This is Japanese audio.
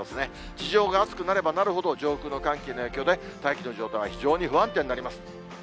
地上が暑くなればなるほど、上空の寒気の影響で、大気の状態は非常に不安定になります。